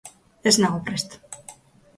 Ez nago prest.